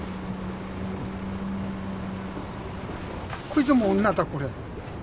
こいつも女だこれ。